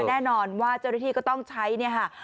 แน่นอนว่าเจ้าหน้าที่ก็ต้องใช้เนี่ยค่ะ